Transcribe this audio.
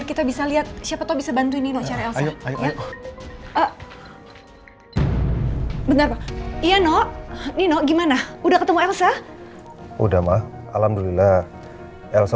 kalau gitu oma pulang ya